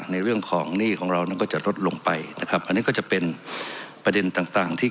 ในเรื่องของหนี้ของเรานั้นก็จะลดลงไป